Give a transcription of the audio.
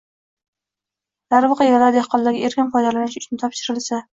Darvoqe, yerlar dehqonlarga erkin foydalanish uchun topshirilsa